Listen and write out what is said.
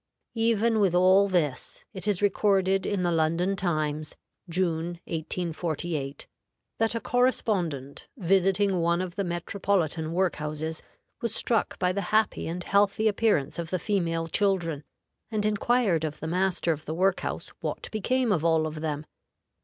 Even with all this, it is recorded in the London Times (June, 1848) that a correspondent, visiting one of the metropolitan work houses, was struck by the happy and healthy appearance of the female children, and inquired of the master of the work house what became of all of them.